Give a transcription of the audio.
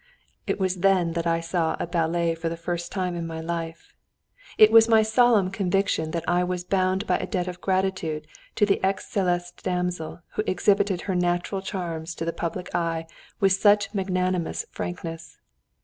It was then that I saw a ballet for the first time in my life. It was my solemn conviction that I was bound by a debt of gratitude to the excellent damsel who exhibited her natural charms to the public eye with such magnanimous frankness.